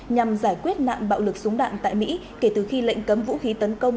nhằm giải quyết nạn bạo lực súng đạn tại mỹ kể từ khi lệnh cấm vũ khí tấn công